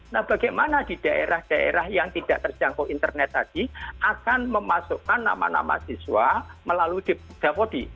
nah bagaimana di daerah daerah yang tidak terjangkau internet tadi akan memasukkan nama nama siswa melalui davodi